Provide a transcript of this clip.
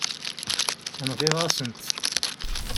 Nɣiɣ-asen-t.